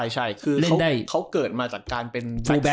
ใช่คือเขาเกิดมาจากการเป็น